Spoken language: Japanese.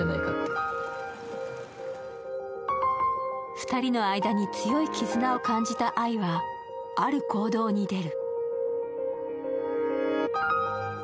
２人の間に強い絆を感じた愛は、ある行動に出る。